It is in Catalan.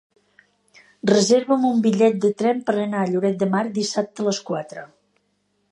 Reserva'm un bitllet de tren per anar a Lloret de Mar dissabte a les quatre.